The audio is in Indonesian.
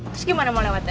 terus gimana mau lewat ya